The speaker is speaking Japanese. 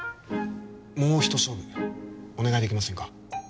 もう一勝負お願いできませんか